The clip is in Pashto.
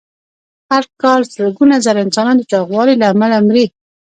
هر کال سلګونه زره انسانان د چاغوالي له امله مري.